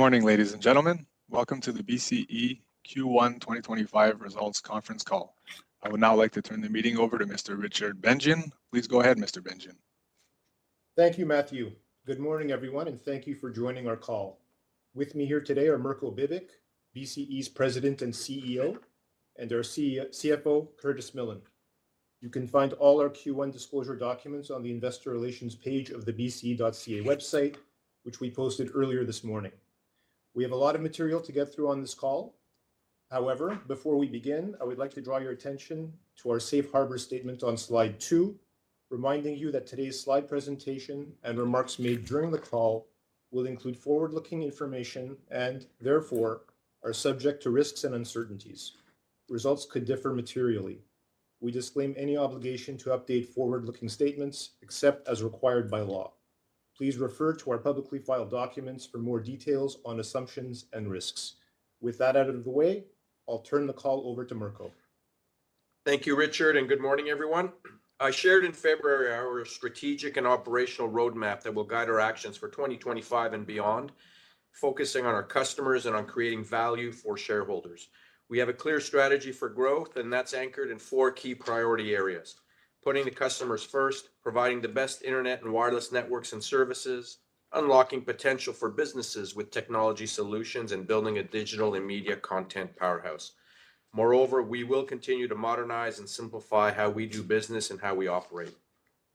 Good morning, ladies and gentlemen. Welcome to the BCE Q1 2025 Results Conference Call. I would now like to turn the meeting over to Mr. Richard Bengian. Please go ahead, Mr. Bengian. Thank you, Matthew. Good morning, everyone, and thank you for joining our call. With me here today are Mirko Bibic, BCE's President and CEO, and our CFO, Curtis Millen. You can find all our Q1 disclosure documents on the Investor Relations page of the bce.ca website, which we posted earlier this morning. We have a lot of material to get through on this call. However, before we begin, I would like to draw your attention to our Safe Harbor statement on Slide 2, reminding you that today's slide presentation and remarks made during the call will include forward-looking information and, therefore, are subject to risks and uncertainties. Results could differ materially. We disclaim any obligation to update forward-looking statements except as required by law. Please refer to our publicly filed documents for more details on assumptions and risks. With that out of the way, I'll turn the call over to Mirko. Thank you, Richard, and good morning, everyone. I shared in February our strategic and operational roadmap that will guide our actions for 2025 and beyond, focusing on our customers and on creating value for shareholders. We have a clear strategy for growth, and that's anchored in four key priority areas: putting the customers first, providing the best internet and wireless networks and services, unlocking potential for businesses with technology solutions, and building a digital and media content powerhouse. Moreover, we will continue to modernize and simplify how we do business and how we operate.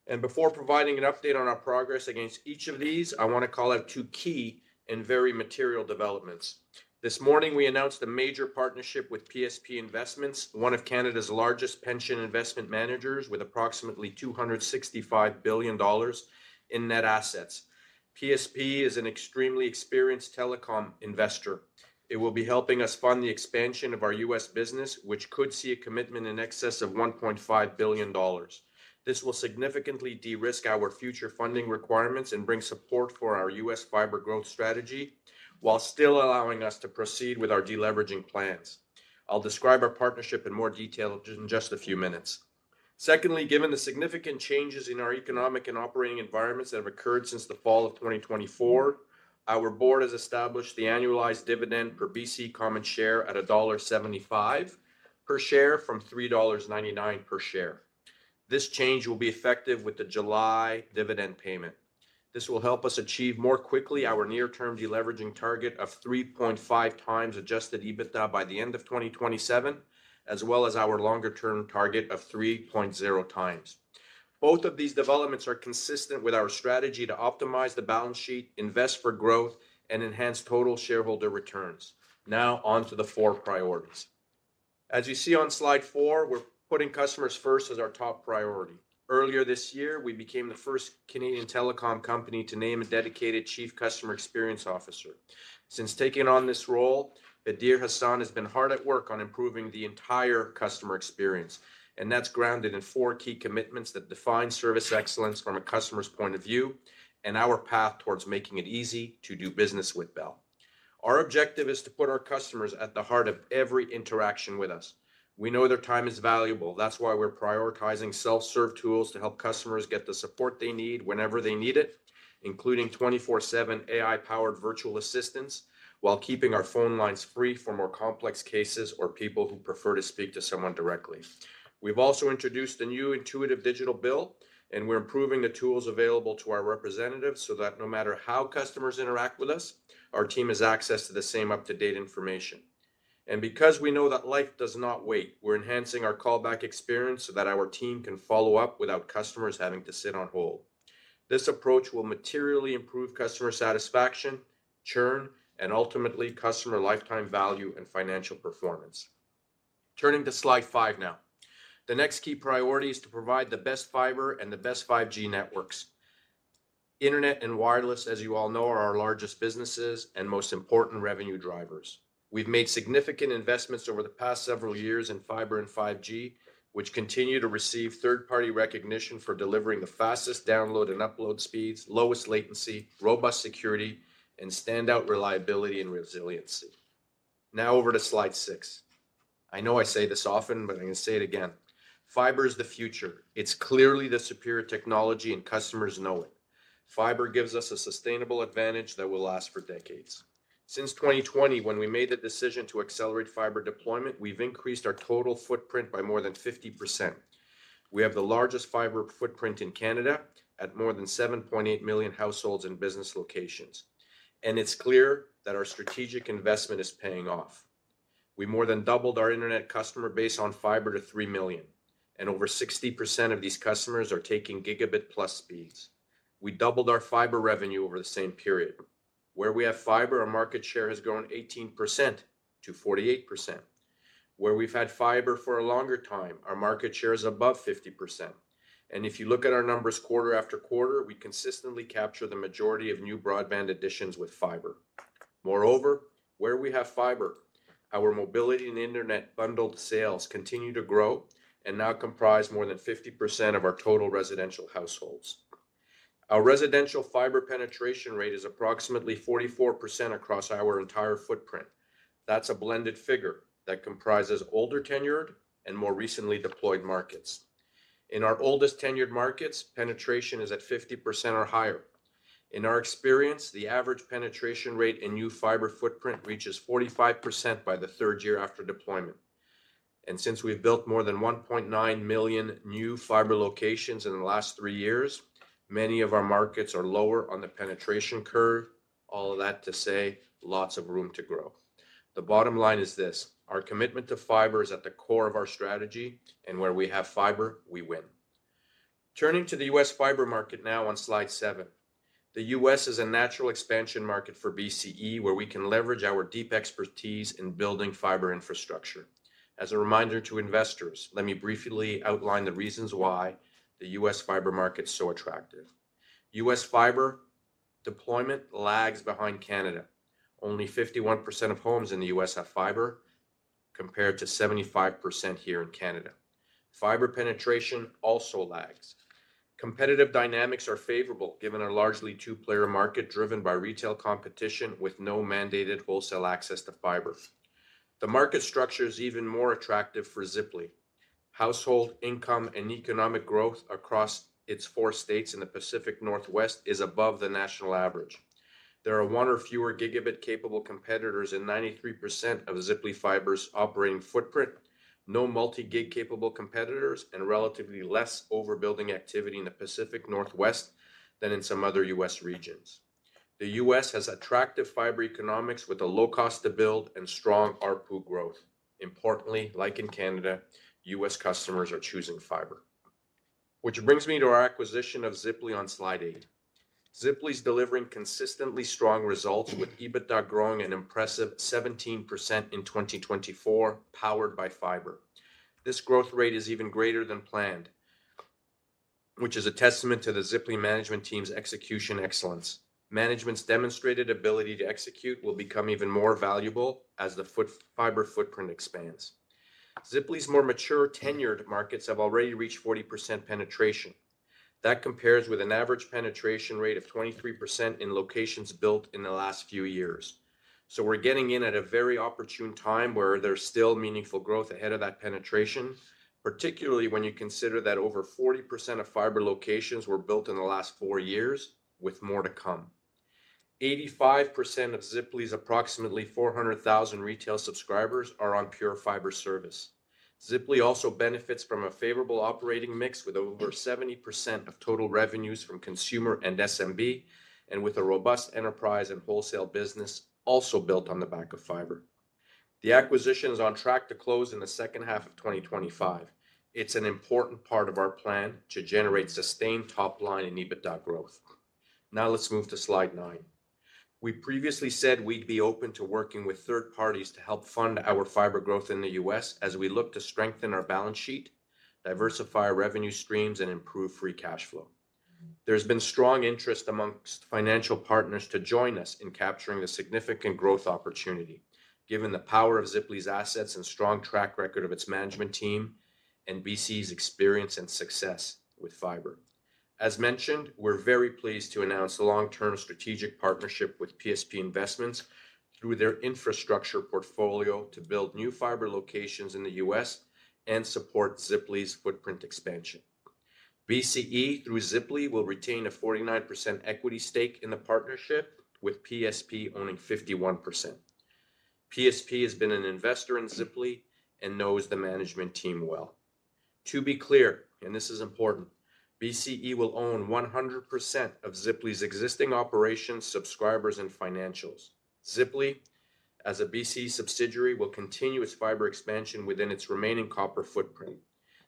And before providing an update on our progress against each of these, I want to call out two key and very material developments. This morning, we announced a major partnership with PSP Investments, one of Canada's largest pension investment managers, with approximately 265 billion dollars in net assets. PSP is an extremely experienced telecom investor. It will be helping us fund the expansion of our U.S. business, which could see a commitment in excess of $1.5 billion. This will significantly de-risk our future funding requirements and bring support for our U.S. fiber growth strategy while still allowing us to proceed with our deleveraging plans. I'll describe our partnership in more detail in just a few minutes. Secondly, given the significant changes in our economic and operating environments that have occurred since the fall of 2024, our board has established the annualized dividend per BCE common share at dollar 1.75 per share from 3.99 dollars per share. This change will be effective with the July dividend payment. This will help us achieve more quickly our near-term deleveraging target of 3.5 times Adjusted EBITDA by the end of 2027, as well as our longer-term target of 3.0 times. Both of these developments are consistent with our strategy to optimize the balance sheet, invest for growth, and enhance total shareholder returns. Now, on to the four priorities. As you see on Slide 4, we're putting customers first as our top priority. Earlier this year, we became the first Canadian telecom company to name a dedicated Chief Customer Experience Officer. Since taking on this role, Badr Hassan has been hard at work on improving the entire customer experience, and that's grounded in four key commitments that define service excellence from a customer's point of view and our path towards making it easy to do business with Bell. Our objective is to put our customers at the heart of every interaction with us. We know their time is valuable. That's why we're prioritizing self-serve tools to help customers get the support they need whenever they need it, including 24/7 AI-powered virtual assistants while keeping our phone lines free for more complex cases or people who prefer to speak to someone directly. We've also introduced a new intuitive Digital Bill, and we're improving the tools available to our representatives so that no matter how customers interact with us, our team has access to the same up-to-date information. And because we know that life does not wait, we're enhancing our callback experience so that our team can follow up without customers having to sit on hold. This approach will materially improve customer satisfaction, churn, and ultimately customer lifetime value and financial performance. Turning to Slide 5 now, the next key priority is to provide the best fiber and the best 5G networks. Internet and wireless, as you all know, are our largest businesses and most important revenue drivers. We've made significant investments over the past several years in fiber and 5G, which continue to receive third-party recognition for delivering the fastest download and upload speeds, lowest latency, robust security, and standout reliability and resiliency. Now over to Slide 6. I know I say this often, but I'm going to say it again. Fiber is the future. It's clearly the superior technology, and customers know it. Fiber gives us a sustainable advantage that will last for decades. Since 2020, when we made the decision to accelerate fiber deployment, we've increased our total footprint by more than 50%. We have the largest fiber footprint in Canada at more than 7.8 million households and business locations, and it's clear that our strategic investment is paying off. We more than doubled our internet customer base on fiber to 3 million, and over 60% of these customers are taking gigabit plus speeds. We doubled our fiber revenue over the same period. Where we have fiber, our market share has grown 18%-48%. Where we've had fiber for a longer time, our market share is above 50%. And if you look at our numbers quarter after quarter, we consistently capture the majority of new broadband additions with fiber. Moreover, where we have fiber, our mobility and internet bundled sales continue to grow and now comprise more than 50% of our total residential households. Our residential fiber penetration rate is approximately 44% across our entire footprint. That's a blended figure that comprises older tenured and more recently deployed markets. In our oldest tenured markets, penetration is at 50% or higher. In our experience, the average penetration rate in new fiber footprint reaches 45% by the third year after deployment, and since we've built more than 1.9 million new fiber locations in the last three years, many of our markets are lower on the penetration curve. All of that to say, lots of room to grow. The bottom line is this: our commitment to fiber is at the core of our strategy, and where we have fiber, we win. Turning to the U.S. fiber market now on Slide 7, the U.S. is a natural expansion market for BCE where we can leverage our deep expertise in building fiber infrastructure. As a reminder to investors, let me briefly outline the reasons why the U.S. fiber market is so attractive. U.S. fiber deployment lags behind Canada. Only 51% of homes in the U.S. have fiber compared to 75% here in Canada. Fiber penetration also lags. Competitive dynamics are favorable given a largely two-player market driven by retail competition with no mandated wholesale access to fiber. The market structure is even more attractive for Ziply. Household income and economic growth across its four states in the Pacific Northwest is above the national average. There are one or fewer gigabit-capable competitors in 93% of Ziply Fiber's operating footprint, no multi-gig-capable competitors, and relatively less overbuilding activity in the Pacific Northwest than in some other U.S. regions. The U.S. has attractive fiber economics with a low cost to build and strong ARPU growth. Importantly, like in Canada, U.S. customers are choosing fiber. Which brings me to our acquisition of Ziply on Slide 8. Ziply is delivering consistently strong results with EBITDA growing an impressive 17% in 2024, powered by fiber. This growth rate is even greater than planned, which is a testament to the Ziply management team's execution excellence. Management's demonstrated ability to execute will become even more valuable as the fiber footprint expands. Ziply's more mature tenured markets have already reached 40% penetration. That compares with an average penetration rate of 23% in locations built in the last few years. So we're getting in at a very opportune time where there's still meaningful growth ahead of that penetration, particularly when you consider that over 40% of fiber locations were built in the last four years, with more to come. 85% of Ziply's approximately 400,000 retail subscribers are on pure fiber service. Ziply also benefits from a favorable operating mix with over 70% of total revenues from consumer and SMB, and with a robust enterprise and wholesale business also built on the back of fiber. The acquisition is on track to close in the second half of 2025. It's an important part of our plan to generate sustained top-line and EBITDA growth. Now let's move to Slide 9. We previously said we'd be open to working with third parties to help fund our fiber growth in the U.S. as we look to strengthen our balance sheet, diversify our revenue streams, and improve free cash flow. There's been strong interest among financial partners to join us in capturing the significant growth opportunity, given the power of Ziply's assets and strong track record of its management team and BCE's experience and success with fiber. As mentioned, we're very pleased to announce a long-term strategic partnership with PSP Investments through their infrastructure portfolio to build new fiber locations in the U.S. and support Ziply's footprint expansion. BCE, through Ziply, will retain a 49% equity stake in the partnership, with PSP owning 51%. PSP has been an investor in Ziply and knows the management team well. To be clear, and this is important, BCE will own 100% of Ziply's existing operations, subscribers, and financials. Ziply, as a BCE subsidiary, will continue its fiber expansion within its remaining copper footprint.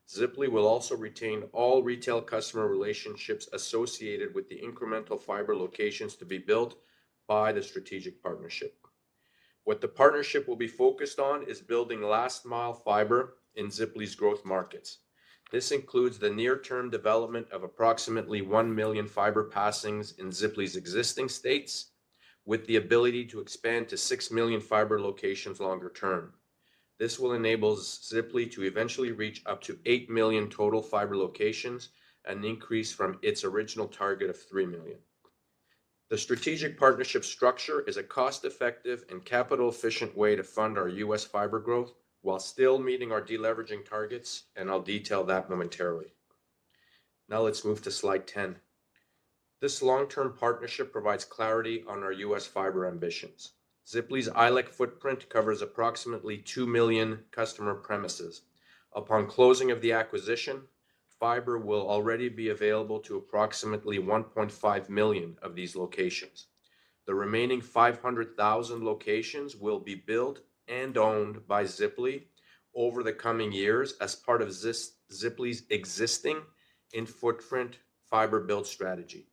Ziply will also retain all retail customer relationships associated with the incremental fiber locations to be built by the strategic partnership. What the partnership will be focused on is building last-mile fiber in Ziply's growth markets. This includes the near-term development of approximately one million fiber passings in Ziply's existing states, with the ability to expand to six million fiber locations longer term. This will enable Ziply to eventually reach up to eight million total fiber locations, an increase from its original target of three million. The strategic partnership structure is a cost-effective and capital-efficient way to fund our U.S. fiber growth while still meeting our deleveraging targets, and I'll detail that momentarily. Now let's move to Slide 10. This long-term partnership provides clarity on our U.S. fiber ambitions. Ziply's ILEC footprint covers approximately 2 million customer premises. Upon closing of the acquisition, fiber will already be available to approximately 1.5 million of these locations. The remaining 500,000 locations will be built and owned by Ziply over the coming years as part of Ziply's existing in-footprint fiber build strategy.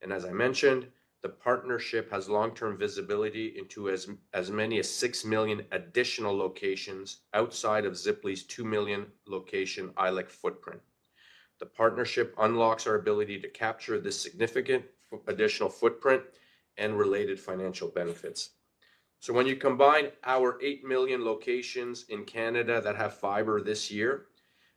And as I mentioned, the partnership has long-term visibility into as many as 6 million additional locations outside of Ziply's 2 million location ILEC footprint. The partnership unlocks our ability to capture this significant additional footprint and related financial benefits. So when you combine our 8 million locations in Canada that have fiber this year,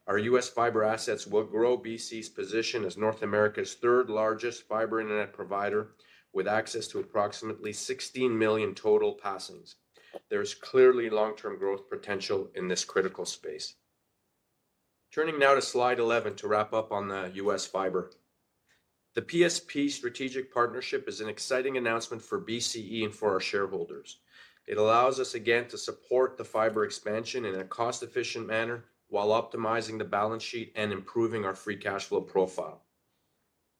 our U.S. Fiber assets will grow BCE's position as North America's third-largest fiber internet provider with access to approximately 16 million total passings. There is clearly long-term growth potential in this critical space. Turning now to Slide 11 to wrap up on the U.S. fiber. The PSP strategic partnership is an exciting announcement for BCE and for our shareholders. It allows us again to support the fiber expansion in a cost-efficient manner while optimizing the balance sheet and improving our free cash flow profile.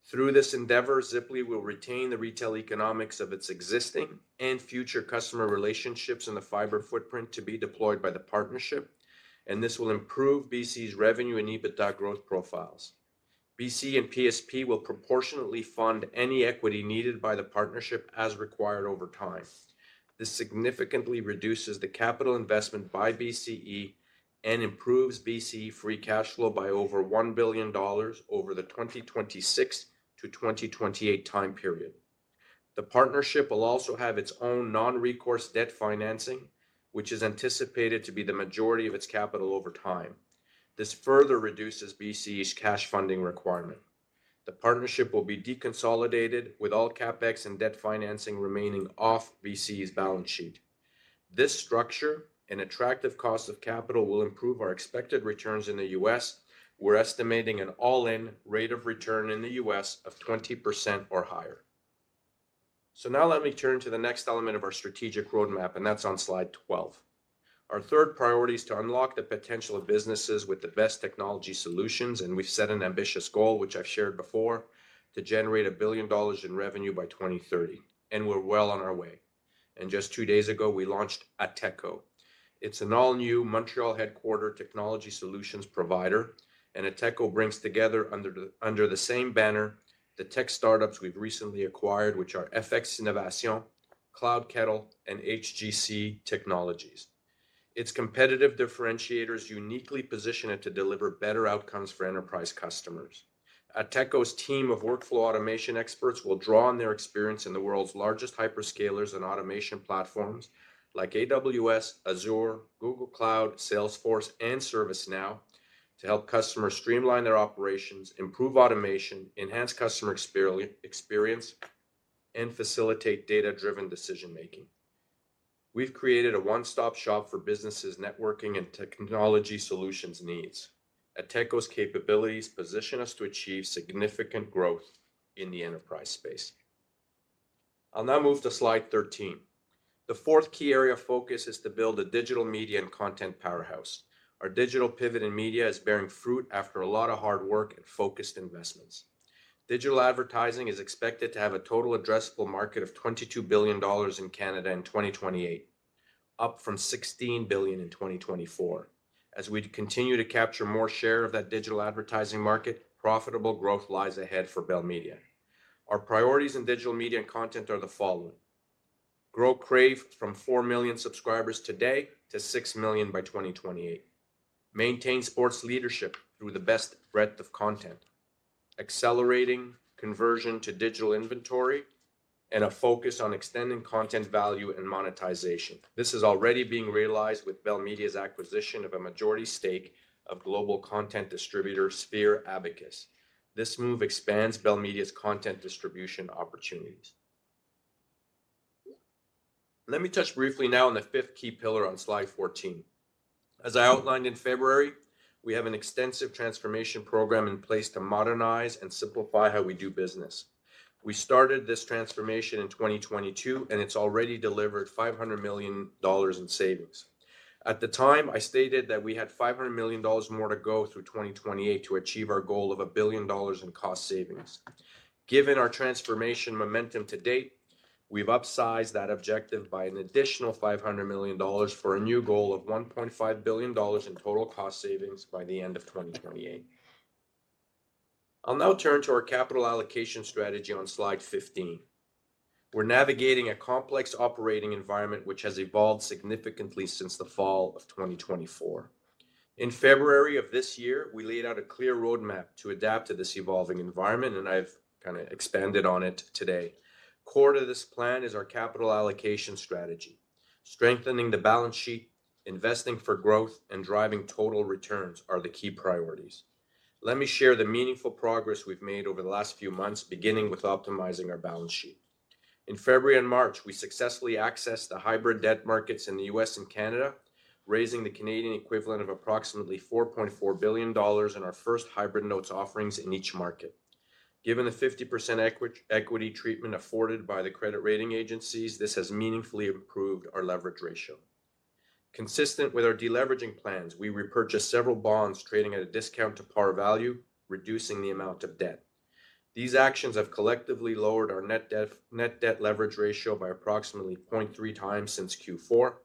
Through this endeavor, Ziply will retain the retail economics of its existing and future customer relationships in the fiber footprint to be deployed by the partnership, and this will improve BCE's revenue and EBITDA growth profiles. BCE and PSP will proportionately fund any equity needed by the partnership as required over time. This significantly reduces the capital investment by BCE and improves BCE free cash flow by over $1 billion over the 2026-2028 time period. The partnership will also have its own non-recourse debt financing, which is anticipated to be the majority of its capital over time. This further reduces BCE's cash funding requirement. The partnership will be deconsolidated, with all CapEx and debt financing remaining off BCE's balance sheet. This structure and attractive cost of capital will improve our expected returns in the U.S. We're estimating an all-in rate of return in the U.S. of 20% or higher. So now let me turn to the next element of our strategic roadmap, and that's on Slide 12. Our third priority is to unlock the potential of businesses with the best technology solutions, and we've set an ambitious goal, which I've shared before, to generate $1 billion in revenue by 2030. We're well on our way. Just two days ago, we launched TechCo. It's an all-new Montreal-headquartered technology solutions provider, and TechCo brings together under the same banner the tech startups we've recently acquired, which are FX Innovation, CloudKettle, and HGC Technologies. Its competitive differentiators uniquely position it to deliver better outcomes for enterprise customers. TechCo's team of workflow automation experts will draw on their experience in the world's largest hyperscalers and automation platforms like AWS, Azure, Google Cloud, Salesforce, and ServiceNow to help customers streamline their operations, improve automation, enhance customer experience, and facilitate data-driven decision-making. We've created a one-stop shop for businesses' networking and technology solutions needs. TechCo's capabilities position us to achieve significant growth in the enterprise space. I'll now move to Slide 13. The fourth key area of focus is to build a digital media and content powerhouse. Our digital pivot in media is bearing fruit after a lot of hard work and focused investments. Digital advertising is expected to have a total addressable market of 22 billion dollars in Canada in 2028, up from 16 billion in 2024. As we continue to capture more share of that digital advertising market, profitable growth lies ahead for Bell Media. Our priorities in digital media and content are the following: grow Crave from 4 million subscribers today to 6 million by 2028, maintain sports leadership through the best breadth of content, accelerating conversion to digital inventory, and a focus on extending content value and monetization. This is already being realized with Bell Media's acquisition of a majority stake of global content distributor Sphere Abacus. This move expands Bell Media's content distribution opportunities. Let me touch briefly now on the fifth key pillar on Slide 14. As I outlined in February, we have an extensive transformation program in place to modernize and simplify how we do business. We started this transformation in 2022, and it's already delivered 500 million dollars in savings. At the time, I stated that we had 500 million dollars more to go through 2028 to achieve our goal of 1 billion dollars in cost savings. Given our transformation momentum to date, we've upsized that objective by an additional 500 million dollars for a new goal of 1.5 billion dollars in total cost savings by the end of 2028. I'll now turn to our capital allocation strategy on Slide 15. We're navigating a complex operating environment which has evolved significantly since the fall of 2024. In February of this year, we laid out a clear roadmap to adapt to this evolving environment, and I've kind of expanded on it today. Core to this plan is our capital allocation strategy. Strengthening the balance sheet, investing for growth, and driving total returns are the key priorities. Let me share the meaningful progress we've made over the last few months, beginning with optimizing our balance sheet. In February and March, we successfully accessed the hybrid debt markets in the U.S. and Canada, raising the Canadian equivalent of approximately 4.4 billion dollars in our first hybrid notes offerings in each market. Given the 50% equity treatment afforded by the credit rating agencies, this has meaningfully improved our leverage ratio. Consistent with our deleveraging plans, we repurchased several bonds trading at a discount to par value, reducing the amount of debt. These actions have collectively lowered our net debt leverage ratio by approximately 0.3 times since Q4,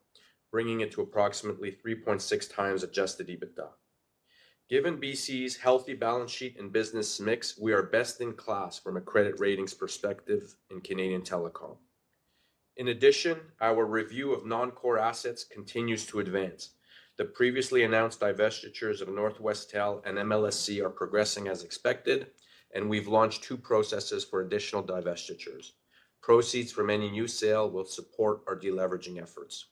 bringing it to approximately 3.6 times Adjusted EBITDA. Given BCE's healthy balance sheet and business mix, we are best in class from a credit ratings perspective in Canadian telecom. In addition, our review of non-core assets continues to advance. The previously announced divestitures of Northwestel and MLSE are progressing as expected, and we've launched two processes for additional divestitures. Proceeds from any new sale will support our deleveraging efforts.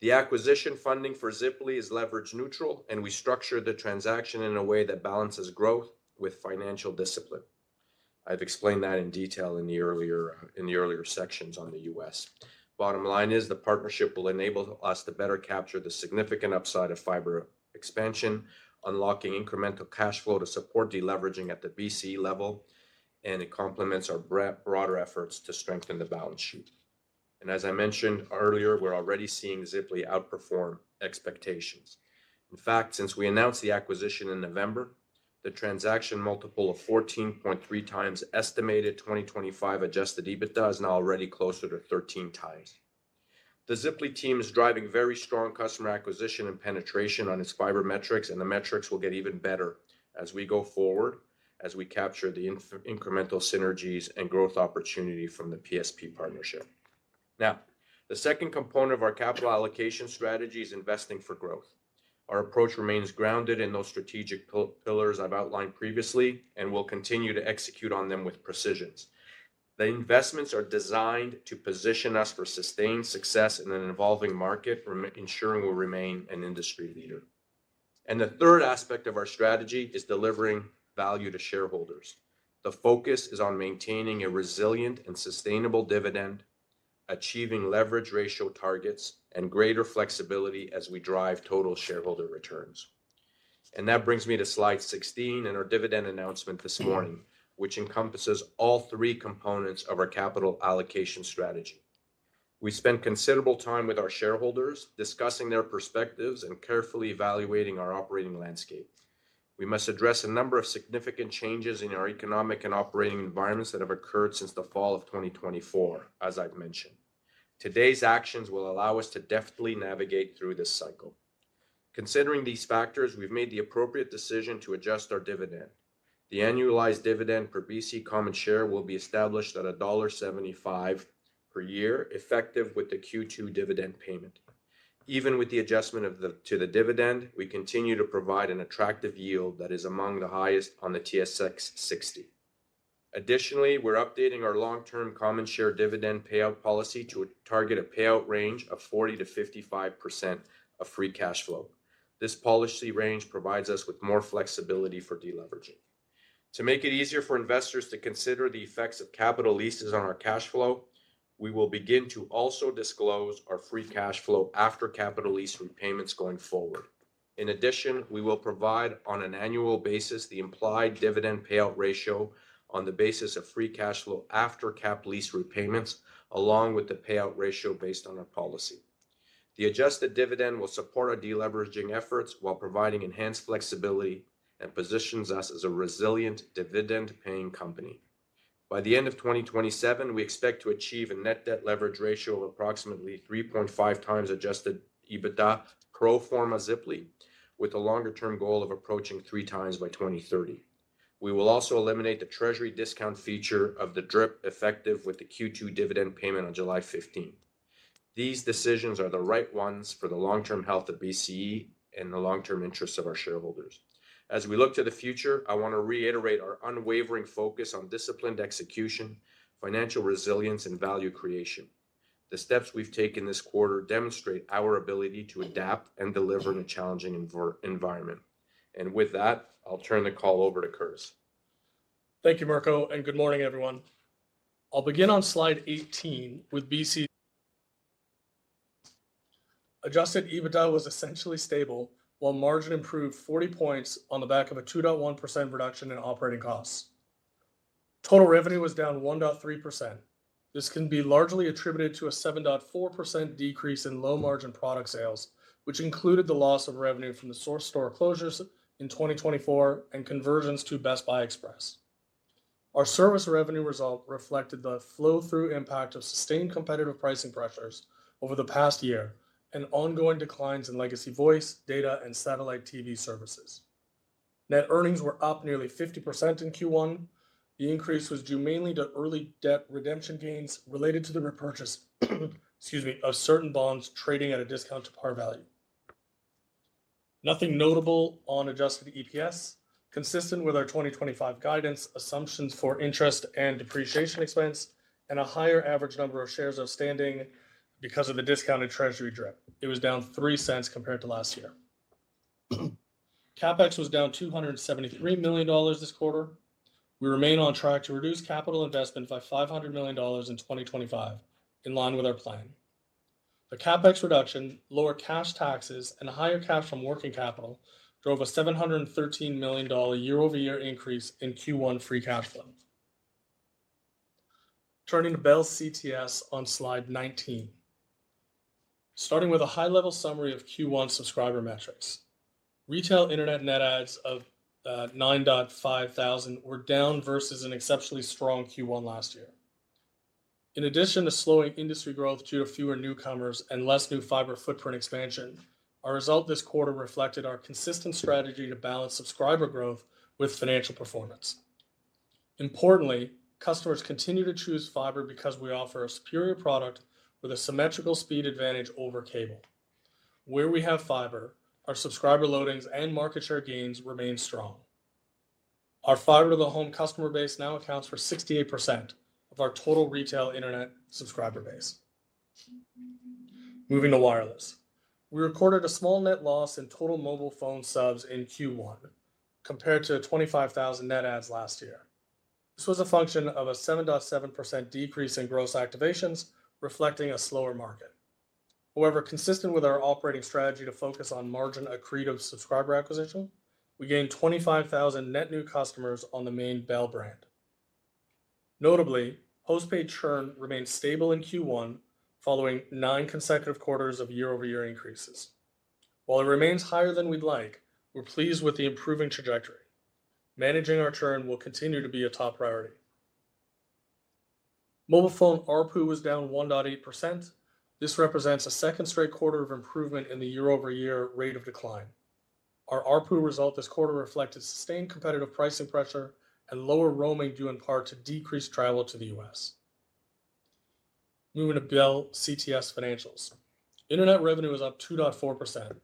The acquisition funding for Ziply Fiber is leverage neutral, and we structured the transaction in a way that balances growth with financial discipline. I've explained that in detail in the earlier sections on the U.S. Bottom line is the partnership will enable us to better capture the significant upside of fiber expansion, unlocking incremental cash flow to support deleveraging at the BCE level, and it complements our broader efforts to strengthen the balance sheet. And as I mentioned earlier, we're already seeing Ziply Fiber outperform expectations. In fact, since we announced the acquisition in November, the transaction multiple of 14.3 times estimated 2025 Adjusted EBITDA is now already closer to 13 times. The Ziply team is driving very strong customer acquisition and penetration on its fiber metrics, and the metrics will get even better as we go forward, as we capture the incremental synergies and growth opportunity from the PSP partnership. Now, the second component of our capital allocation strategy is investing for growth. Our approach remains grounded in those strategic pillars I've outlined previously and will continue to execute on them with precision. The investments are designed to position us for sustained success in an evolving market, ensuring we'll remain an industry leader. And the third aspect of our strategy is delivering value to shareholders. The focus is on maintaining a resilient and sustainable dividend, achieving leverage ratio targets, and greater flexibility as we drive total shareholder returns. And that brings me to Slide 16 and our dividend announcement this morning, which encompasses all three components of our capital allocation strategy. We spent considerable time with our shareholders discussing their perspectives and carefully evaluating our operating landscape. We must address a number of significant changes in our economic and operating environments that have occurred since the fall of 2024, as I've mentioned. Today's actions will allow us to deftly navigate through this cycle. Considering these factors, we've made the appropriate decision to adjust our dividend. The annualized dividend per BCE common share will be established at dollar 1.75 per year, effective with the Q2 dividend payment. Even with the adjustment to the dividend, we continue to provide an attractive yield that is among the highest on the TSX 60. Additionally, we're updating our long-term common share dividend payout policy to target a payout range of 40%-55% of free cash flow. This policy range provides us with more flexibility for deleveraging. To make it easier for investors to consider the effects of capital leases on our cash flow, we will begin to also disclose our free cash flow after capital lease repayments going forward. In addition, we will provide on an annual basis the implied dividend payout ratio on the basis of free cash flow after cap lease repayments, along with the payout ratio based on our policy. The adjusted dividend will support our deleveraging efforts while providing enhanced flexibility and positions us as a resilient dividend-paying company. By the end of 2027, we expect to achieve a net debt leverage ratio of approximately 3.5 times adjusted EBITDA pro forma Ziply, with a longer-term goal of approaching three times by 2030. We will also eliminate the treasury discount feature of the DRIP effective with the Q2 dividend payment on July 15. These decisions are the right ones for the long-term health of BCE and the long-term interests of our shareholders. As we look to the future, I want to reiterate our unwavering focus on disciplined execution, financial resilience, and value creation. The steps we've taken this quarter demonstrate our ability to adapt and deliver in a challenging environment, and with that, I'll turn the call over to Curtis. Thank you, Mirko, and good morning, everyone. I'll begin on Slide 18 with BCE. Adjusted EBITDA was essentially stable, while margin improved 40 points on the back of a 2.1% reduction in operating costs. Total revenue was down 1.3%. This can be largely attributed to a 7.4% decrease in low-margin product sales, which included the loss of revenue from The Source store closures in 2024 and conversions to Best Buy Express. Our service revenue result reflected the flow-through impact of sustained competitive pricing pressures over the past year and ongoing declines in legacy voice, data, and satellite TV services. Net earnings were up nearly 50% in Q1. The increase was due mainly to early debt redemption gains related to the repurchase, excuse me, of certain bonds trading at a discount to par value. Nothing notable on adjusted EPS, consistent with our 2025 guidance, assumptions for interest and depreciation expense, and a higher average number of shares outstanding because of the discounted treasury DRIP. It was down 0.03 compared to last year. CapEx was down 273 million dollars this quarter. We remain on track to reduce capital investment by 500 million dollars in 2025, in line with our plan. The CapEx reduction, lower cash taxes, and higher cash from working capital drove a 713 million dollar year-over-year increase in Q1 free cash flow. Turning to Bell CTS on Slide 19. Starting with a high-level summary of Q1 subscriber metrics. Retail internet net adds of 9.5 thousand were down versus an exceptionally strong Q1 last year. In addition to slowing industry growth due to fewer newcomers and less new fiber footprint expansion, our result this quarter reflected our consistent strategy to balance subscriber growth with financial performance. Importantly, customers continue to choose fiber because we offer a superior product with a symmetrical speed advantage over cable. Where we have fiber, our subscriber loadings and market share gains remain strong. Our fiber-to-the-home customer base now accounts for 68% of our total retail internet subscriber base. Moving to wireless. We recorded a small net loss in total mobile phone subs in Q1 compared to 25,000 net adds last year. This was a function of a 7.7% decrease in gross activations, reflecting a slower market. However, consistent with our operating strategy to focus on margin accretive subscriber acquisition, we gained 25,000 net new customers on the main Bell brand. Notably, postpaid churn remained stable in Q1, following nine consecutive quarters of year-over-year increases. While it remains higher than we'd like, we're pleased with the improving trajectory. Managing our churn will continue to be a top priority. Mobile phone ARPU was down 1.8%. This represents a second straight quarter of improvement in the year-over-year rate of decline. Our ARPU result this quarter reflected sustained competitive pricing pressure and lower roaming due in part to decreased travel to the U.S. Moving to Bell CTS financials. Internet revenue was up 2.4%.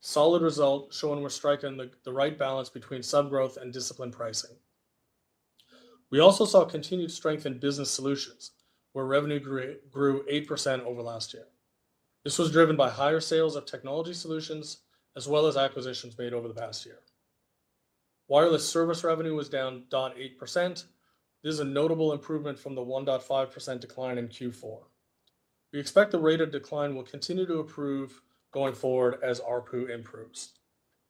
Solid result, showing we're striking the right balance between subscriber growth and disciplined pricing. We also saw continued strength in business solutions, where revenue grew 8% over last year. This was driven by higher sales of technology solutions as well as acquisitions made over the past year. Wireless service revenue was down 8%. This is a notable improvement from the 1.5% decline in Q4. We expect the rate of decline will continue to improve going forward as ARPU improves.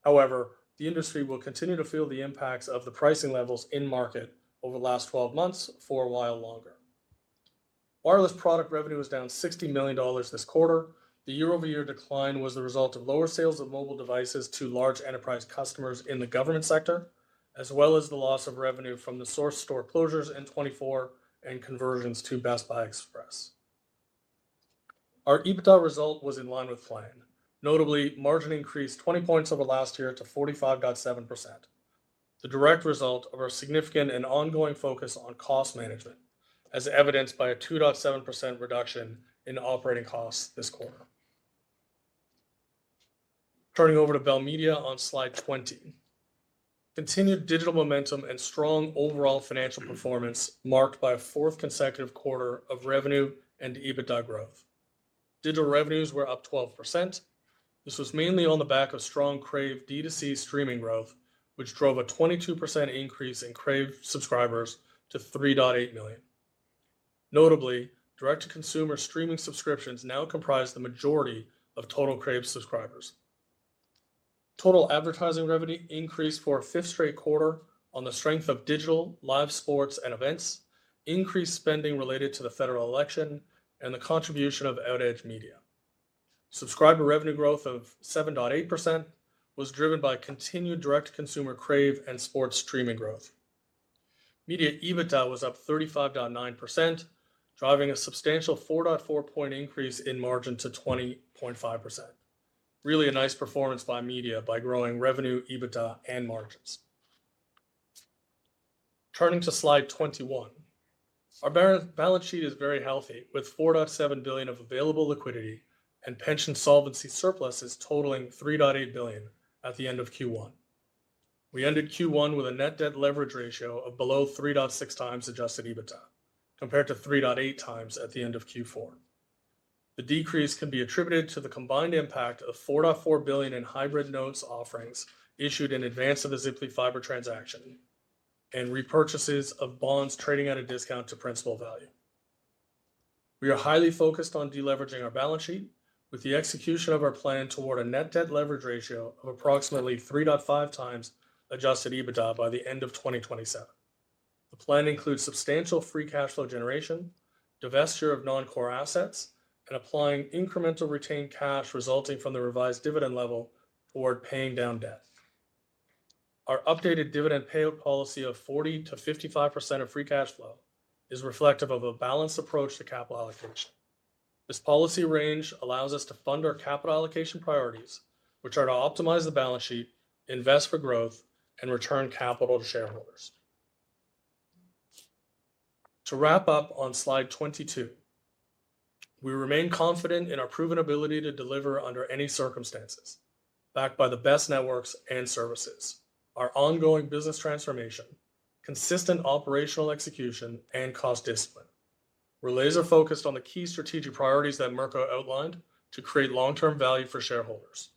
However, the industry will continue to feel the impacts of the pricing levels in market over the last 12 months for a while longer. Wireless product revenue was down 60 million dollars this quarter. The year-over-year decline was the result of lower sales of mobile devices to large enterprise customers in the government sector, as well as the loss of revenue from The Source store closures in 2024 and conversions to Best Buy Express. Our EBITDA result was in line with plan. Notably, margin increased 20 points over last year to 45.7%. The direct result of our significant and ongoing focus on cost management, as evidenced by a 2.7% reduction in operating costs this quarter. Turning to Bell Media on Slide 20. Continued digital momentum and strong overall financial performance marked by a fourth consecutive quarter of revenue and EBITDA growth. Digital revenues were up 12%. This was mainly on the back of strong Crave D2C streaming growth, which drove a 22% increase in Crave subscribers to 3.8 million. Notably, direct-to-consumer streaming subscriptions now comprise the majority of total Crave subscribers. Total advertising revenue increased for a fifth straight quarter on the strength of digital, live sports, and events, increased spending related to the federal election, and the contribution of Outedge Media. Subscriber revenue growth of 7.8% was driven by continued direct-to-consumer Crave and sports streaming growth. Media EBITDA was up 35.9%, driving a substantial 4.4-point increase in margin to 20.5%. Really a nice performance by media by growing revenue, EBITDA, and margins. Turning to Slide 21. Our balance sheet is very healthy, with 4.7 billion of available liquidity and pension solvency surpluses totaling 3.8 billion at the end of Q1. We ended Q1 with a net debt leverage ratio of below 3.6 times Adjusted EBITDA, compared to 3.8 times at the end of Q4. The decrease can be attributed to the combined impact of 4.4 billion in hybrid notes offerings issued in advance of the Ziply Fiber transaction and repurchases of bonds trading at a discount to principal value. We are highly focused on deleveraging our balance sheet, with the execution of our plan toward a net debt leverage ratio of approximately 3.5 times Adjusted EBITDA by the end of 2027. The plan includes substantial free cash flow generation, divestiture of non-core assets, and applying incremental retained cash resulting from the revised dividend level toward paying down debt. Our updated dividend payout policy of 40%-55% of free cash flow is reflective of a balanced approach to capital allocation. This policy range allows us to fund our capital allocation priorities, which are to optimize the balance sheet, invest for growth, and return capital to shareholders. To wrap up on Slide 22, we remain confident in our proven ability to deliver under any circumstances, backed by the best networks and services, our ongoing business transformation, consistent operational execution, and cost discipline. We're laser-focused on the key strategic priorities that Marco outlined to create long-term value for shareholders.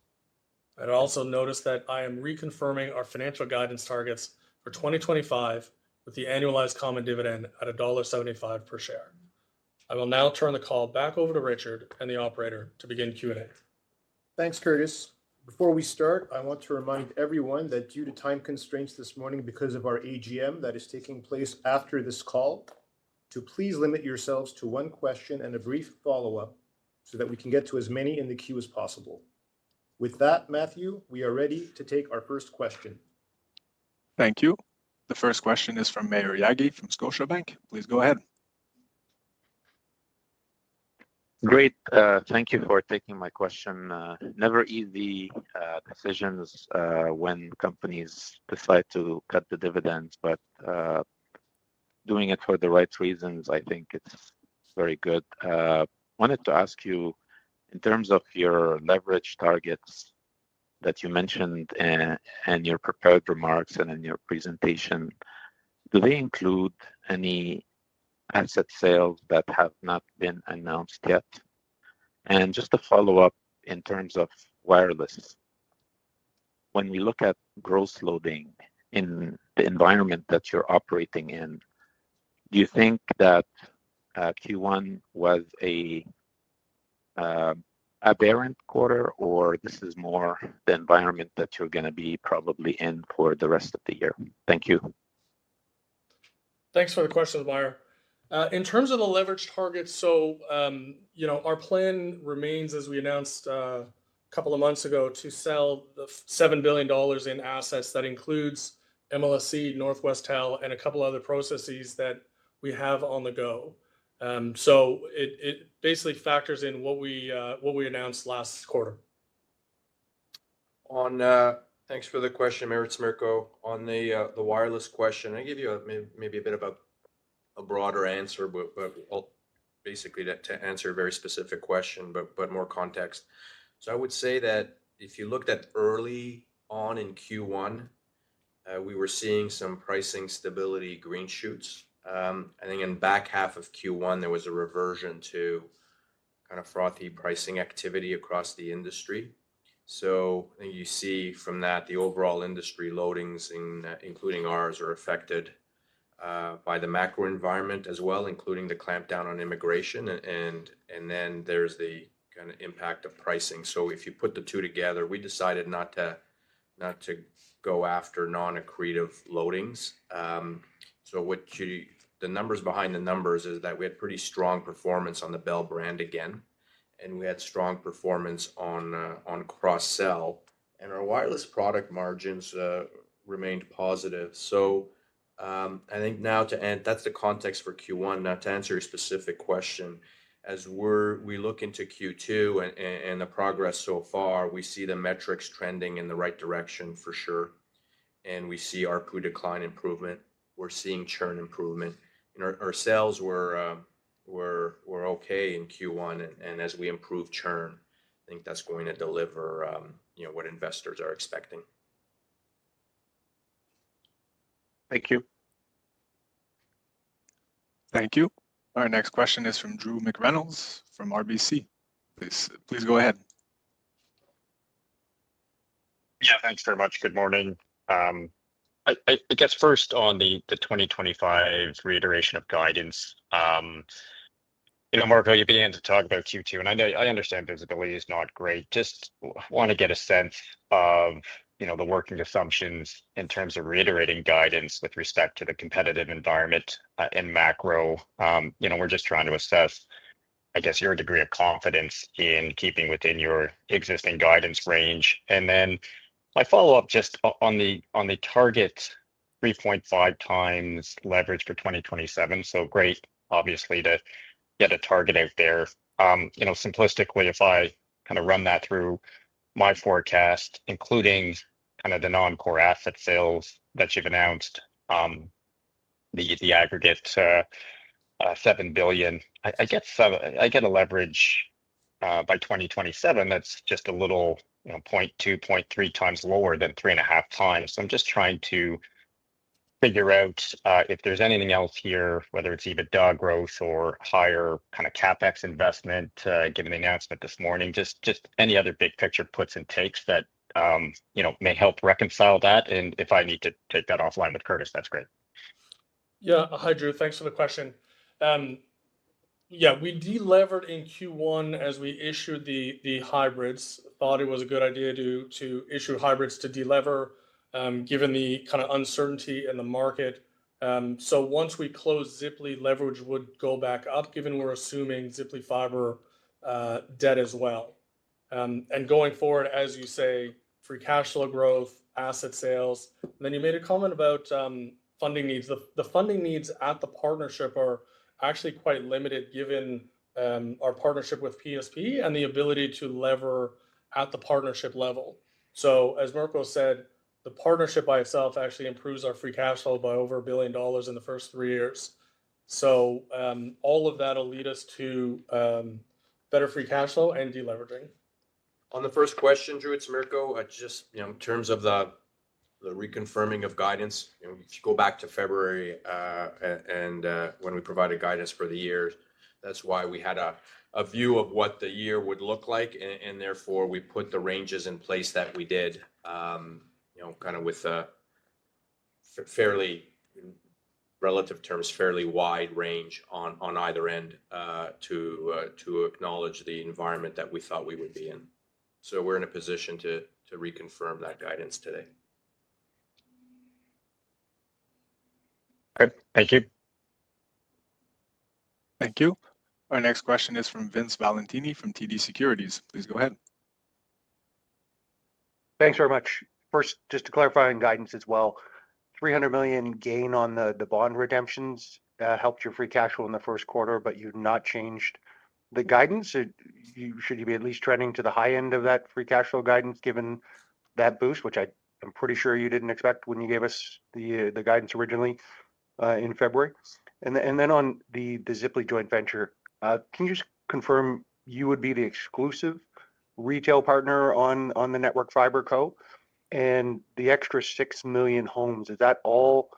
I'd also note that I am reconfirming our financial guidance targets for 2025 with the annualized common dividend at dollar 1.75 per share. I will now turn the call back over to Richard and the operator to begin Q&A. Thanks, Curtis. Before we start, I want to remind everyone that due to time constraints this morning because of our AGM that is taking place after this call, to please limit yourselves to one question and a brief follow-up so that we can get to as many in the queue as possible. With that, Matthew, we are ready to take our first question. Thank you. The first question is from Maher Yaghi from Scotiabank. Please go ahead. Great. Thank you for taking my question. Never easy decisions when companies decide to cut the dividends, but doing it for the right reasons, I think it's very good. I wanted to ask you, in terms of your leverage targets that you mentioned and your prepared remarks and in your presentation, do they include any asset sales that have not been announced yet? And just to follow up in terms of wireless, when we look at gross loading in the environment that you're operating in, do you think that Q1 was an aberrant quarter, or this is more the environment that you're going to be probably in for the rest of the year? Thank you. Thanks for the question, Maher. In terms of the leverage targets, our plan remains, as we announced a couple of months ago, to sell 7 billion dollars in assets. That includes MLSE, Northwestel, and a couple of other processes that we have on the go. So it basically factors in what we announced last quarter. Thanks for the question, Maher Yaghi. On the wireless question, I'll give you maybe a bit of a broader answer, but basically to answer a very specific question, but more context. So I would say that if you looked at early on in Q1, we were seeing some pricing stability green shoots. I think in the back half of Q1, there was a reversion to kind of frothy pricing activity across the industry. So, I think you see from that the overall industry loadings, including ours, are affected by the macro environment as well, including the clampdown on immigration. And then there's the kind of impact of pricing. So if you put the two together, we decided not to go after non-accretive loadings. So the numbers behind the numbers is that we had pretty strong performance on the Bell brand again, and we had strong performance on cross-sell. And our wireless product margins remained positive. So I think now to end, that's the context for Q1. Now, to answer your specific question, as we look into Q2 and the progress so far, we see the metrics trending in the right direction for sure. And we see ARPU decline improvement. We're seeing churn improvement. Our sales were okay in Q1, and as we improve churn, I think that's going to deliver what investors are expecting. Thank you. Thank you. Our next question is from Drew McReynolds from RBC. Please go ahead. Yeah, thanks very much. Good morning. I guess first on the 2025 reiteration of guidance. Mirko, you began to talk about Q2, and I understand visibility is not great. Just want to get a sense of the working assumptions in terms of reiterating guidance with respect to the competitive environment and macro. We're just trying to assess, I guess, your degree of confidence in keeping within your existing guidance range. And then my follow-up just on the target 3.5 times leverage for 2027. So great, obviously, to get a target out there. Simplistically, if I kind of run that through my forecast, including kind of the non-core asset sales that you've announced, the aggregate 7 billion, I get a leverage by 2027 that's just a little 0.2-0.3 times lower than 3.5 times. So I'm just trying to figure out if there's anything else here, whether it's EBITDA growth or higher kind of CapEx investment, given the announcement this morning, just any other big picture puts and takes that may help reconcile that. And if I need to take that offline with Curtis, that's great. Yeah. Hi, Drew. Thanks for the question. Yeah, we delevered in Q1 as we issued the hybrids. Thought it was a good idea to issue hybrids to delever, given the kind of uncertainty in the market. So once we close Ziply, leverage would go back up, given we're assuming Ziply Fiber debt as well. Going forward, as you say, free cash flow growth, asset sales. And then you made a comment about funding needs. The funding needs at the partnership are actually quite limited, given our partnership with PSP and the ability to lever at the partnership level. So as Mirko said, the partnership by itself actually improves our free cash flow by over 1 billion dollars in the first three years. So all of that will lead us to better free cash flow and deleveraging. On the first question, Drew McReynolds, just in terms of the reconfirming of guidance, if you go back to February and when we provided guidance for the year, that's why we had a view of what the year would look like. And therefore, we put the ranges in place that we did kind of with, in relative terms, a fairly wide range on either end to acknowledge the environment that we thought we would be in. So we're in a position to reconfirm that guidance today. Thank you. Thank you. Our next question is from Vince Valentini from TD Securities. Please go ahead. Thanks very much. First, just to clarify on guidance as well, 300 million gain on the bond redemptions helped your free cash flow in the first quarter, but you've not changed the guidance. Should you be at least trending to the high end of that free cash flow guidance, given that boost, which I'm pretty sure you didn't expect when you gave us the guidance originally in February? Then on the Ziply joint venture, can you just confirm you would be the exclusive retail partner on the Network Fiber Co and the extra six million homes? Is that all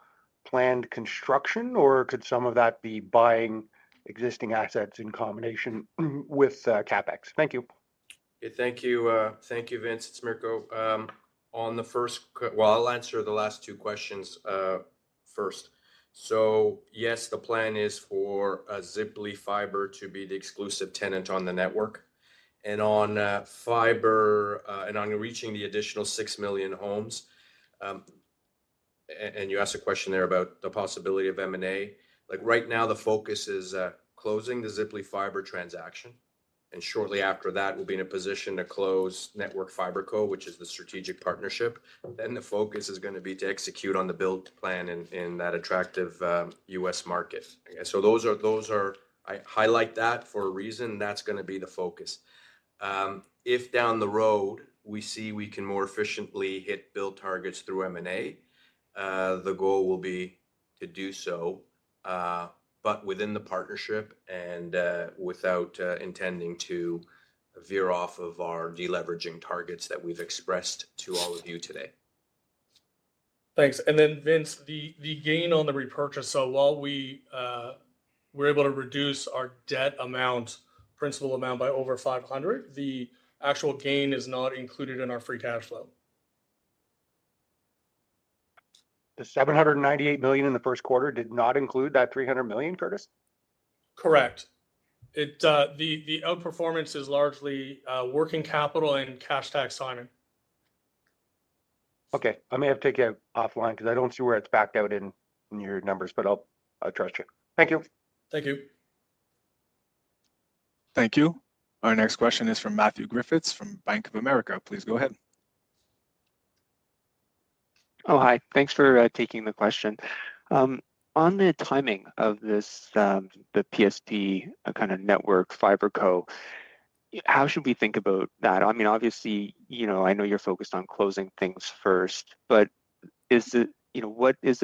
planned construction, or could some of that be buying existing assets in combination with CapEx? Thank you. Thank you. Thank you, Vince Valentini. On the first, well, I'll answer the last two questions first. So yes, the plan is for Ziply Fiber to be the exclusive tenant on the network. And on fiber and on reaching the additional six million homes, and you asked a question there about the possibility of M&A. Right now, the focus is closing the Ziply Fiber transaction. And shortly after that, we'll be in a position to close Network Fiber Co, which is the strategic partnership. Then the focus is going to be to execute on the build plan in that attractive U.S. market. So those are—I highlight that for a reason. That's going to be the focus. If down the road, we see we can more efficiently hit build targets through M&A, the goal will be to do so, but within the partnership and without intending to veer off of our deleveraging targets that we've expressed to all of you today. Thanks. And then, Vince, the gain on the repurchase, so while we're able to reduce our debt amount, principal amount by over $500 million, the actual gain is not included in our free cash flow. The $798 million in the first quarter did not include that $300 million, Curtis? Correct. The outperformance is largely working capital and cash tax timing. Okay. I'll take it offline because I don't see where it's backed out in your numbers, but I'll trust you. Thank you. Thank you. Thank you. Our next question is from Matthew Griffiths from Bank of America. Please go ahead. Oh, hi. Thanks for taking the question. On the timing of the PSP kind of Network Fiber Co, how should we think about that? I mean, obviously, I know you're focused on closing things first, but what is the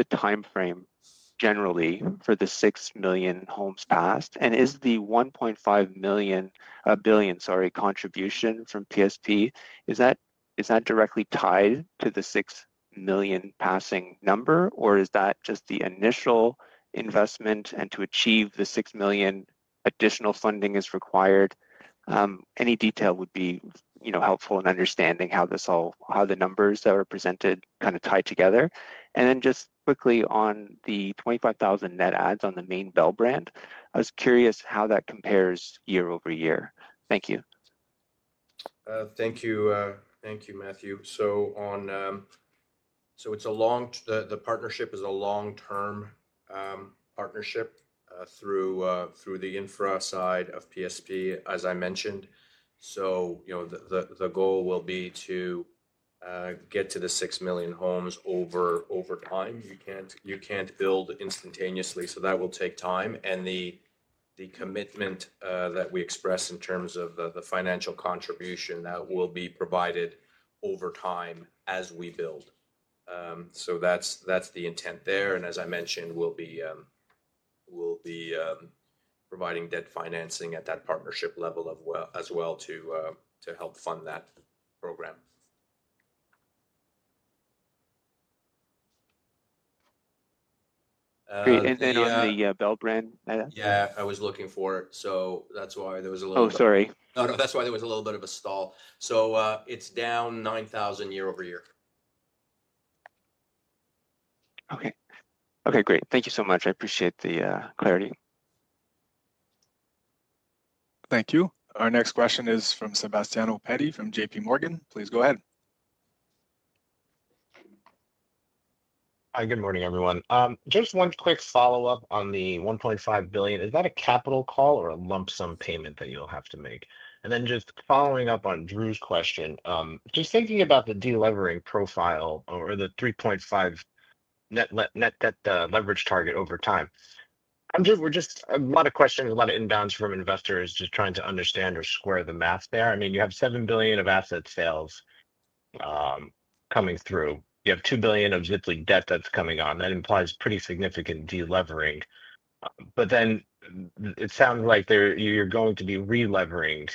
timeframe generally for the 6 million homes passed? And is the 1.5 billion contribution from PSP directly tied to the 6 million passing number, or is that just the initial investment and to achieve the 6 million additional funding is required? Any detail would be helpful in understanding how the numbers that were presented kind of tie together. And then just quickly on the 25,000 net adds on the main Bell brand, I was curious how that compares year over year. Thank you. Thank you. Thank you, Matthew. The partnership is a long-term partnership through the infra side of PSP, as I mentioned. So the goal will be to get to the 6 million homes over time. You can't build instantaneously, so that will take time. And the commitment that we express in terms of the financial contribution that will be provided over time as we build. So that's the intent there. And as I mentioned, we'll be providing debt financing at that partnership level as well to help fund that program. And on the Bell brand? Yeah, I was looking for it. So that's why there was a little bit of a stall. So it's down 9,000 year over year. Okay. Okay. Great. Thank you so much. I appreciate the clarity. Thank you. Our next question is from Sebastiano Petti from JP Morgan. Please go ahead. Hi, good morning, everyone. Just one quick follow-up on the 1.5 billion. Is that a capital call or a lump sum payment that you'll have to make? And then just following up on Drew's question, just thinking about the delivering profile or the 3.5 net debt leverage target over time, we're just a lot of questions, a lot of inbounds from investors just trying to understand or square the math there. I mean, you have 7 billion of asset sales coming through. You have 2 billion of Ziply debt that's coming on. That implies pretty significant delevering. But then it sounds like you're going to be relevering.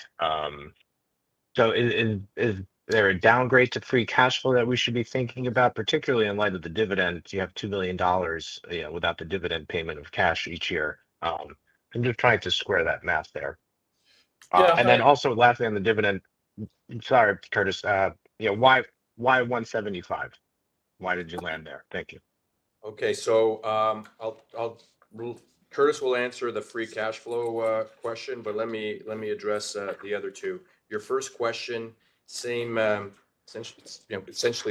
So is there a downgrade to free cash flow that we should be thinking about, particularly in light of the dividends? You have 2 billion dollars without the dividend payment of cash each year. I'm just trying to square that math there. And then also lastly, on the dividend, sorry, Curtis, why 175? Why did you land there? Thank you. Okay. So Curtis will answer the free cash flow question, but let me address the other two. Your first question, essentially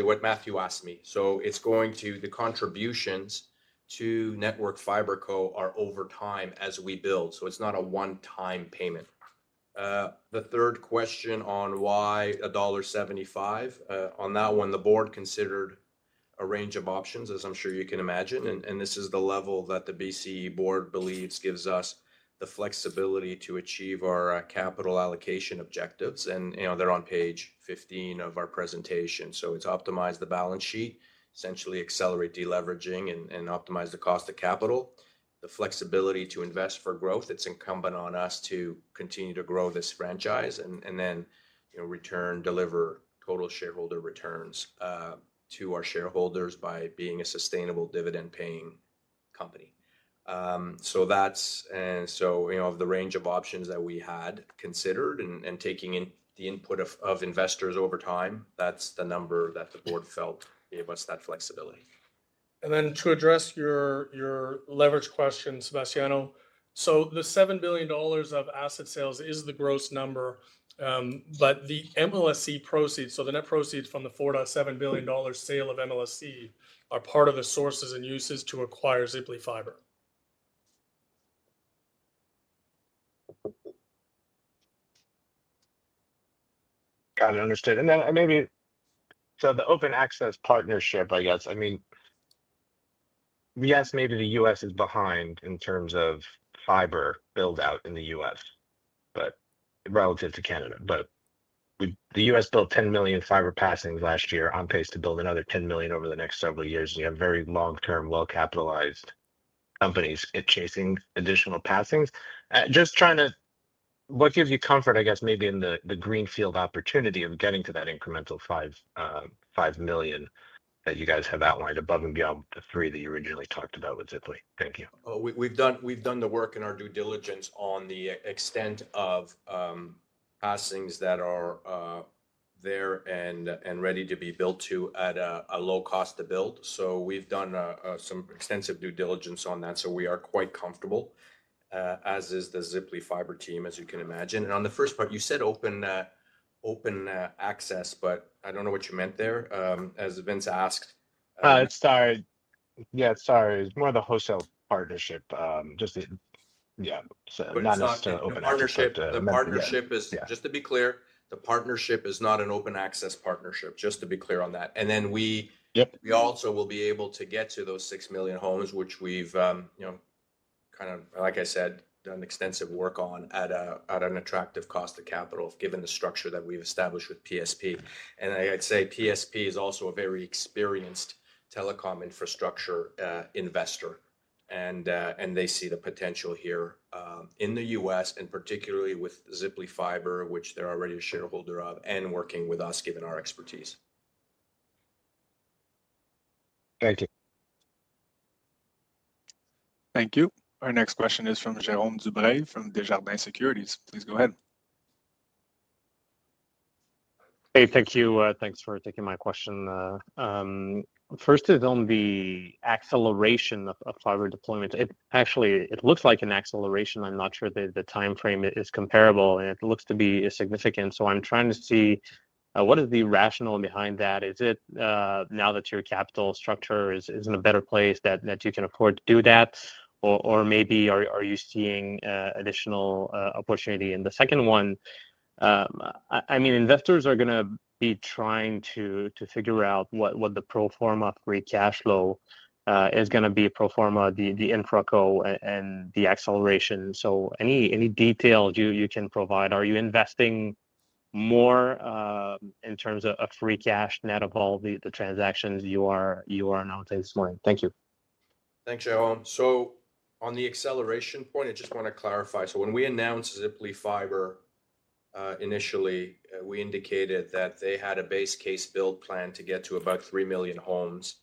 what Matthew asked me. So it's going to the contributions to Network Fiber Co are over time as we build. So it's not a one-time payment. The third question on why dollar 1.75, on that one, the board considered a range of options, as I'm sure you can imagine. And this is the level that the BCE board believes gives us the flexibility to achieve our capital allocation objectives. And they're on page 15 of our presentation. So it's optimize the balance sheet, essentially accelerate deleveraging, and optimize the cost of capital. The flexibility to invest for growth. It's incumbent on us to continue to grow this franchise and then return, deliver total shareholder returns to our shareholders by being a sustainable dividend-paying company. So that's and so of the range of options that we had considered and taking in the input of investors over time, that's the number that the board felt gave us that flexibility. To address your leverage question, Sebastiano, so the $7 billion of asset sales is the gross number, but the MLSE proceeds, so the net proceeds from the $4.7 billion sale of MLSE are part of the sources and uses to acquire Ziply Fiber. Got it. Understood. Then maybe so the open access partnership, I guess. I mean, yes, maybe the U.S. is behind in terms of fiber build-out in the U.S., but relative to Canada. The U.S. built 10 million fiber passings last year on pace to build another 10 million over the next several years. You have very long-term, well-capitalized companies chasing additional passings. Just trying to—what gives you comfort, I guess, maybe in the greenfield opportunity of getting to that incremental 5 million that you guys have outlined above and beyond the three that you originally talked about with Ziply? Thank you. We've done the work in our due diligence on the extent of passings that are there and ready to be built to at a low cost to build. So we've done some extensive due diligence on that. So we are quite comfortable, as is the Ziply fiber team, as you can imagine. And on the first part, you said open access, but I don't know what you meant there as Vince asked. Sorry. Yeah, sorry. It's more the wholesale partnership. Just, yeah, not necessarily open access. The partnership is, just to be clear, the partnership is not an open access partnership, just to be clear on that. And then we also will be able to get to those 6 million homes, which we've kind of, like I said, done extensive work on at an attractive cost of capital, given the structure that we've established with PSP. And I'd say PSP is also a very experienced telecom infrastructure investor. And they see the potential here in the U.S., and particularly with Ziply Fiber, which they're already a shareholder of, and working with us, given our expertise. Thank you. Thank you. Our next question is from Jérôme Dubreuil from Desjardins Securities. Please go ahead. Hey, thank you. Thanks for taking my question. First, it's on the acceleration of fiber deployment. Actually, it looks like an acceleration. I'm not sure the timeframe is comparable, and it looks to be significant. So I'm trying to see what is the rationale behind that? Is it now that your capital structure is in a better place that you can afford to do that? Or maybe are you seeing additional opportunity? And the second one, I mean, investors are going to be trying to figure out what the pro forma free cash flow is going to be, pro forma, the InfraCo and the acceleration. So any details you can provide? Are you investing more in terms of free cash net of all the transactions you are announcing this morning? Thank you. Thanks, Jérôme. So on the acceleration point, I just want to clarify. So when we announced Ziply Fiber initially, we indicated that they had a base case build plan to get to about 3 million homes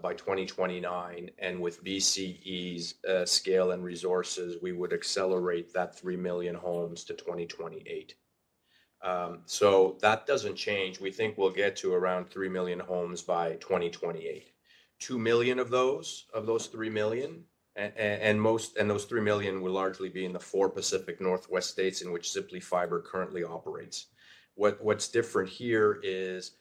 by 2029. And with BCE's scale and resources, we would accelerate that 3 million homes to 2028. So that doesn't change. We think we'll get to around 3 million homes by 2028. 2 million of those 3 million, and those 3 million will largely be in the four Pacific Northwest states in which Ziply Fiber currently operates. What's different here is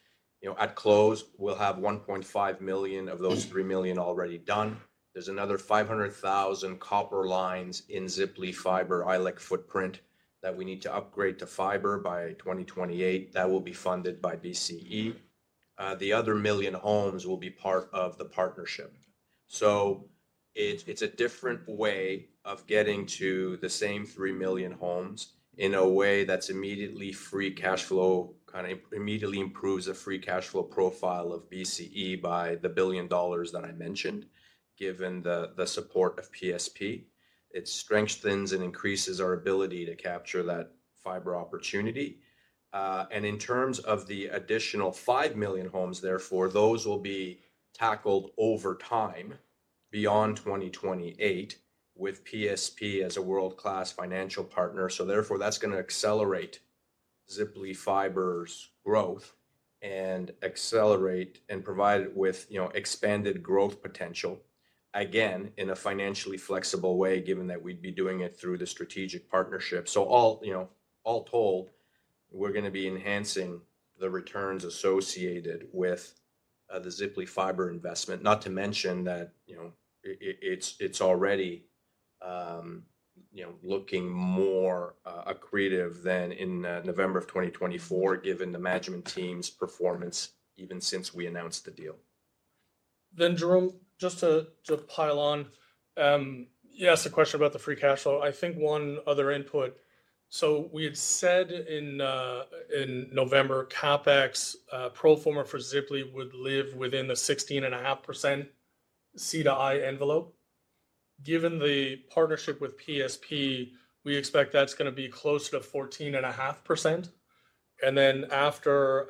at close, we'll have 1.5 million of those 3 million already done. There's another 500,000 copper lines in Ziply Fiber ILEC footprint that we need to upgrade to fiber by 2028. That will be funded by BCE. The other million homes will be part of the partnership. So it's a different way of getting to the same 3 million homes in a way that's immediately free cash flow, kind of immediately improves the free cash flow profile of BCE by the $1 billion that I mentioned, given the support of PSP. It strengthens and increases our ability to capture that fiber opportunity. And in terms of the additional five million homes, therefore, those will be tackled over time beyond 2028 with PSP as a world-class financial partner. So therefore, that's going to accelerate Ziply Fiber's growth and accelerate and provide it with expanded growth potential, again, in a financially flexible way, given that we'd be doing it through the strategic partnership. So all told, we're going to be enhancing the returns associated with the Ziply Fiber investment, not to mention that it's already looking more accretive than in November of 2024, given the management team's performance even since we announced the deal. Then, Jérôme, just to pile on, you asked a question about the free cash flow. I think one other input. So we had said in November, CapEx pro forma for Ziply would live within the 16.5% C to I envelope. Given the partnership with PSP, we expect that's going to be close to 14.5%. And then after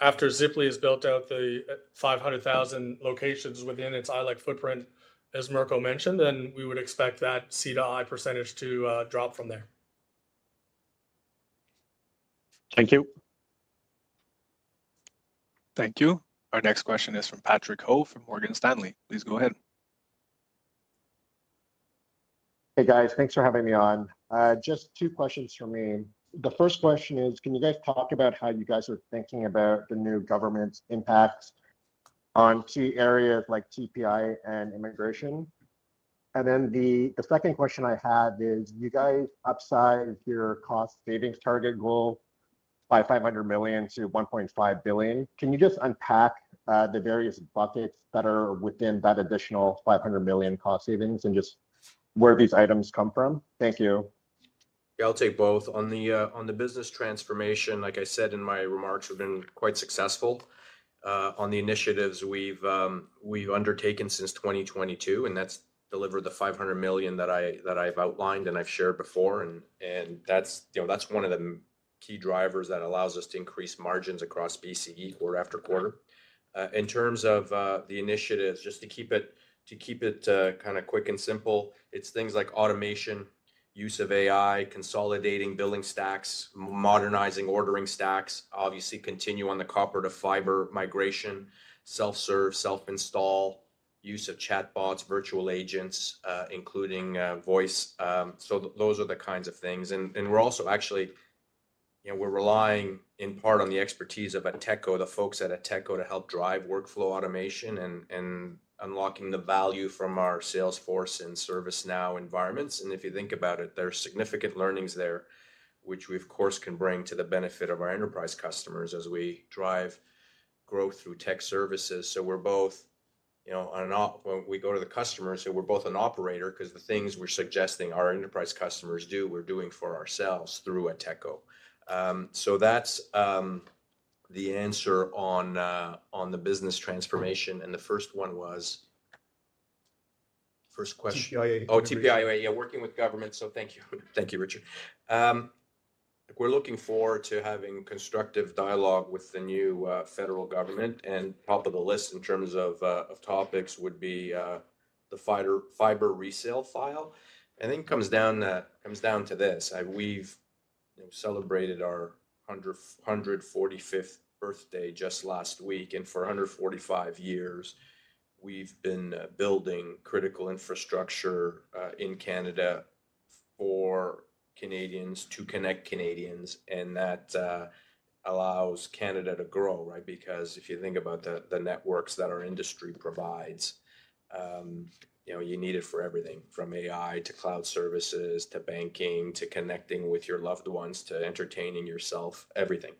Ziply has built out the 500,000 locations within its ILEC footprint, as Mirko mentioned, then we would expect that C to I percentage to drop from there. Thank you. Thank you. Our next question is from Patrick Ho from Morgan Stanley. Please go ahead. Hey, guys. Thanks for having me on. Just two questions for me. The first question is, can you guys talk about how you guys are thinking about the new government's impact on key areas like TPIA and immigration? And then the second question I had is, you guys upsized your cost savings target goal by $500 million-$1.5 billion. Can you just unpack the various buckets that are within that additional 500 million cost savings and just where these items come from? Thank you. Yeah, I'll take both. On the business transformation, like I said in my remarks, we've been quite successful on the initiatives we've undertaken since 2022, and that's delivered the 500 million that I've outlined and I've shared before. And that's one of the key drivers that allows us to increase margins across BCE quarter after quarter. In terms of the initiatives, just to keep it kind of quick and simple, it's things like automation, use of AI, consolidating billing stacks, modernizing ordering stacks, obviously continue on the copper to fiber migration, self-serve, self-install, use of chatbots, virtual agents, including voice. So those are the kinds of things. And we're also actually relying in part on the expertise of TechCo, the folks at TechCo to help drive workflow automation and unlocking the value from our Salesforce and ServiceNow environments. And if you think about it, there are significant learnings there, which we, of course, can bring to the benefit of our enterprise customers as we drive growth through tech services. So we're both, when we go to the customers, we're both an operator because the things we're suggesting our enterprise customers do, we're doing for ourselves through TechCo. So that's the answer on the business transformation. And the first one was first question. Oh, TPI, yeah, working with government. So thank you. Thank you, Mirko. We're looking forward to having constructive dialogue with the new federal government. And top of the list in terms of topics would be the fiber resale file. I think it comes down to this. We've celebrated our 145th birthday just last week. And for 145 years, we've been building critical infrastructure in Canada for Canadians to connect Canadians. And that allows Canada to grow, right? Because if you think about the networks that our industry provides, you need it for everything from AI to cloud services to banking to connecting with your loved ones to entertaining yourself, everything.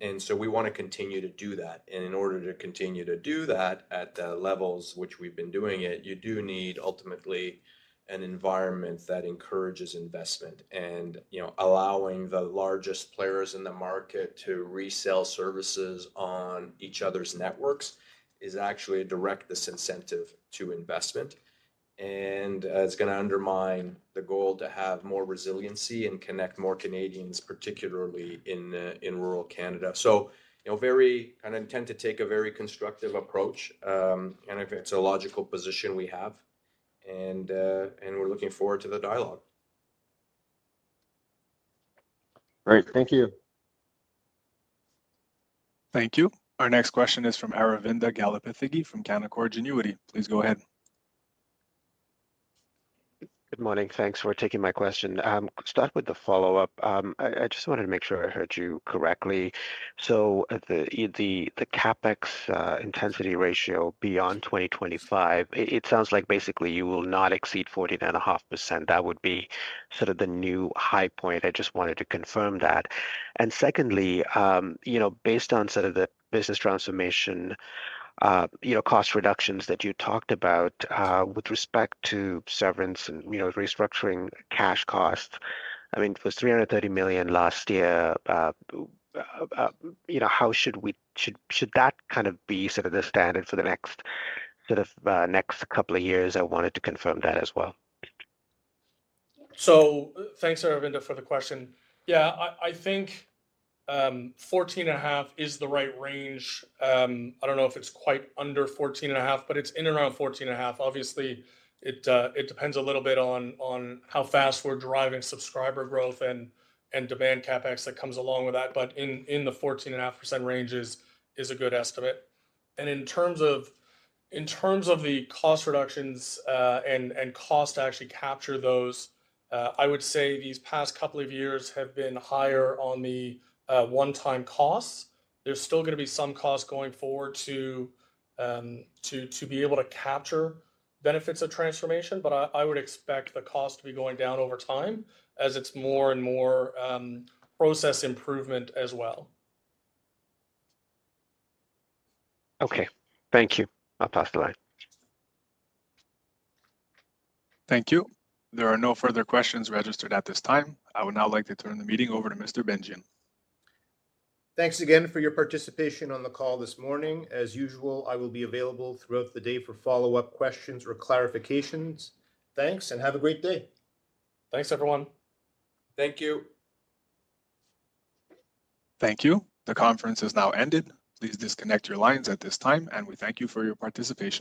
And so we want to continue to do that. And in order to continue to do that at the levels which we've been doing it, you do need ultimately an environment that encourages investment. And allowing the largest players in the market to resell services on each other's networks is actually a direct disincentive to investment. And it's going to undermine the goal to have more resiliency and connect more Canadians, particularly in rural Canada. So kind of intend to take a very constructive approach and if it's a logical position we have. And we're looking forward to the dialogue. All right. Thank you. Thank you. Our next question is from Aravinda Galappatthige from Canaccord Genuity. Please go ahead. Good morning. Thanks for taking my question. Start with the follow-up. I just wanted to make sure I heard you correctly. So the CapEx intensity ratio beyond 2025, it sounds like basically you will not exceed 14.5%. That would be sort of the new high point. I just wanted to confirm that. And secondly, based on sort of the business transformation cost reductions that you talked about with respect to severance and restructuring cash costs, I mean, it was 330 million last year. How should that kind of be sort of the standard for the next couple of years? I wanted to confirm that as well. So thanks, Aravinda, for the question. Yeah, I think 14.5% is the right range. I don't know if it's quite under 14.5%, but it's in and around 14.5%. Obviously, it depends a little bit on how fast we're driving subscriber growth and demand CapEx that comes along with that. But in the 14.5% range is a good estimate. And in terms of the cost reductions and cost to actually capture those, I would say these past couple of years have been higher on the one-time costs. There's still going to be some cost going forward to be able to capture benefits of transformation, but I would expect the cost to be going down over time as it's more and more process improvement as well. Okay. Thank you. I'll pass the line. Thank you. There are no further questions registered at this time. I would now like to turn the meeting over to Mr. Bengian. Thanks again for your participation on the call this morning. As usual, I will be available throughout the day for follow-up questions or clarifications. Thanks, and have a great day. Thanks, everyone. Thank you. Thank you. The conference has now ended. Please disconnect your lines at this time, and we thank you for your participation.